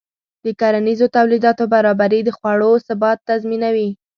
د کرنیزو تولیداتو برابري د خوړو ثبات تضمینوي.